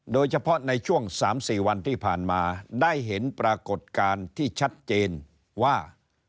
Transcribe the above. โดยเฉพาะในช่วง๓๔วันที่ผ่านมาได้เห็นปรากฏการณ์ที่ชัดเจนว่า